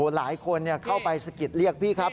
หลายคนเข้าไปสะกิดเรียกพี่ครับ